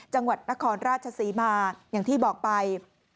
จังหวัดนครราชศรีมาอย่างที่บอกไป